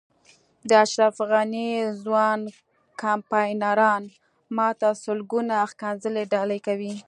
د اشرف غني ځوان کمپاینران ما ته سلګونه ښکنځلې ډالۍ کوي.